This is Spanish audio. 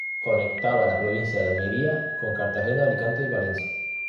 Conectaba la provincia de Almería con Cartagena, Alicante y Valencia.